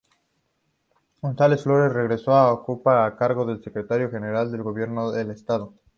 González Flores regresó a ocupar el cargo de secretario general del gobierno del estado.